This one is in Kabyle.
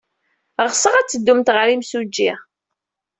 Ɣseɣ ad teddumt ɣer yimsujji.